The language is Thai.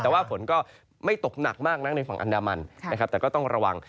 แต่ว่าฝนก็ไม่ตกหนักมากนักในฝั่งอันดามันนะครับแต่ก็ต้องระวัง